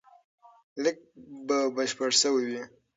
لیک به بشپړ سوی وي.